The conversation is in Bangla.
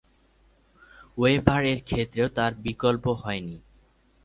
ওয়েবার -এর ক্ষেত্রেও তার বিকল্প হয়নি।